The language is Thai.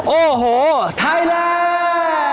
โอ้โหไทยแรก